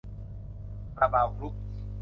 คาราบาวกรุ๊ป